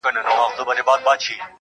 راسه دروې ښيم.